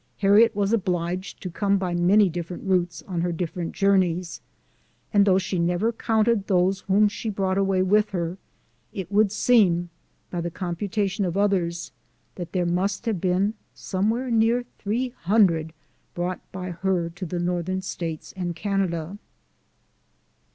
Harriet was obliged to come by many different routes on her different journeys, and though she never counted those whom she brought away w r ith her, it would seem, by the computation of others, that there must have been somewhere near three hundred brought by her to the Northern States and Canada.